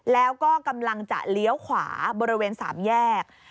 แล้วก็กำลังจะเลี้ยวขวาบริเวณ๓แยก